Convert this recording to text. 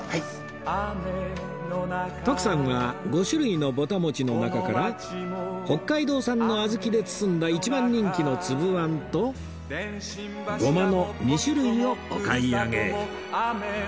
徳さんは５種類のぼたもちの中から北海道産の小豆で包んだ一番人気のつぶあんとごまの２種類をお買い上げ